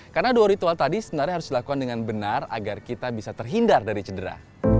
karena dua ritual tadi sebenarnya harus dilakukan dengan benar agar kita bisa terhindar dari cedera